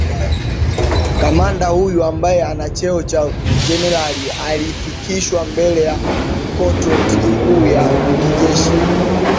kamanda huyo ambaye ana cheo cha jenerali alifikishwa mbele ya korti kuu ya kijeshi